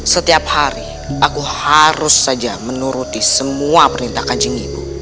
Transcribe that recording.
setiap hari aku harus saja menuruti semua perintah kanjeng ibu